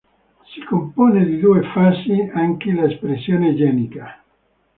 Si compone di due fasi anche l'espressione genica.